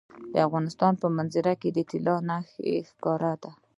د افغانستان په منظره کې طلا ښکاره ده.